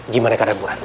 gimana keadaan bu retno